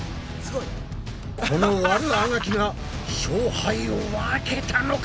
この悪あがきが勝敗を分けたのか！